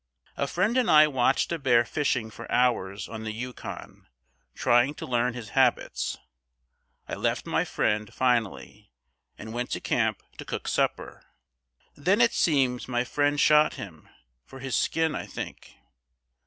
A friend and I watched a bear fishing for hours on the Yukon, trying to learn his habits. I left my friend, finally, and went to camp to cook supper. Then, it seems, my friend shot him, for his skin, I think.